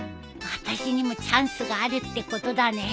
あたしにもチャンスがあるってことだね。